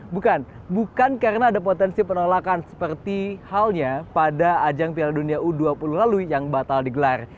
bukan bukan karena ada potensi penolakan seperti halnya pada ajang piala dunia u dua puluh lalu yang batal digelar